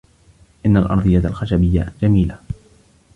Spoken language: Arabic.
إن الأرضية الخشبية جميلة.